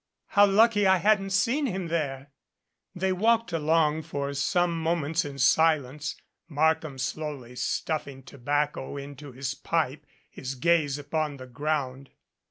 How lucky I hadn't seen him there !" They walked along for some moments in silence, Markham slowly stuffing tobacco into his pipe, his gaze upon the ground.